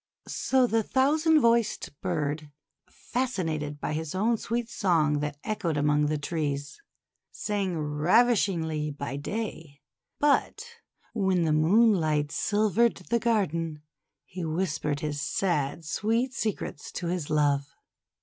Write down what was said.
So the thousand voiced bird, fascinated by his own sweet song that echoed among the trees, sang ravishingly by day; but when the moon light silvered the garden, he whispered his sad, sweet secrets to his love.